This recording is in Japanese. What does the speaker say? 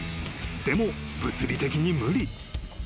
［でも物理的に無理］